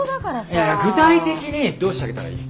いやいや具体的にどうしてあげたらいい？